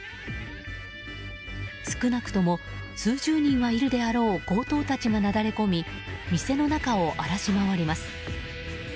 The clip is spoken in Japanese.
少なくとも数十人入るであろう強盗たちがなだれ込み店の中を荒らし回ります。